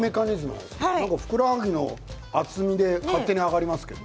ふくらはぎの厚みで勝手に上がりますけど。